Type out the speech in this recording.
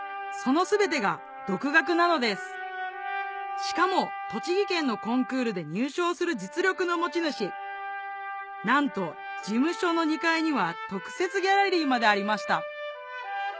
その全てが独学なのですしかも栃木県のコンクールで入賞する実力の持ち主なんと事務所の２階には特設ギャラリーまでありました